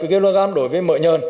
một kg đối với mỡ nhờn